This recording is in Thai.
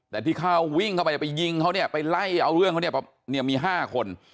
แต่ที่เขาวิ่งเข้าไปจะไปยิงเขาเนี่ยไปไล่เอาเรื่องเขาเนี่ยมี๕คน